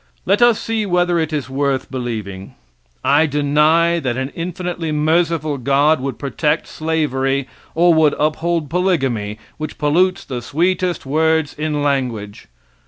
Let us see whether it is worth believing. I deny that an infinitely merciful God would protect slavery or would uphold polygamy, which pollutes the sweetest words in language.